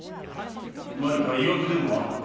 何か曰くでもあるのか？